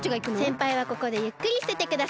せんぱいはここでゆっくりしててください。